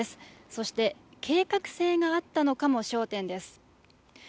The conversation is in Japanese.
そして、計画性があったのかも焦点です。